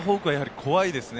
怖いですね。